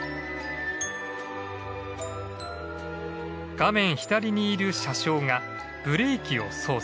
画面左にいる車掌がブレーキを操作。